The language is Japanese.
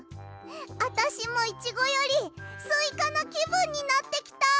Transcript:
あたしもイチゴよりスイカなきぶんになってきた！